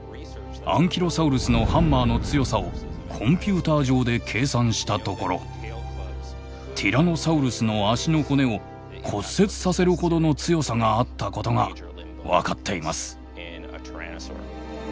アンキロサウルスのハンマーの強さをコンピューター上で計算したところティラノサウルスの脚の骨を骨折させるほどの強さがあったことが分かっています。